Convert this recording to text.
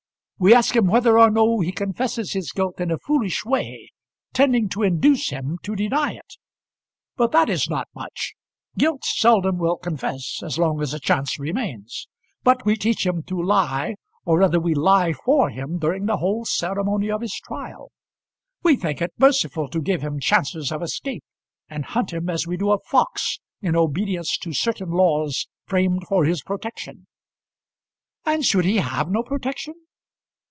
We ask him whether or no he confesses his guilt in a foolish way, tending to induce him to deny it; but that is not much. Guilt seldom will confess as long as a chance remains. But we teach him to lie, or rather we lie for him during the whole ceremony of his trial. We think it merciful to give him chances of escape, and hunt him as we do a fox, in obedience to certain laws framed for his protection." "And should he have no protection?"